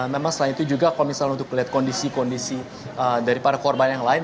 memang selain itu juga kalau misalnya untuk melihat kondisi kondisi dari para korban yang lain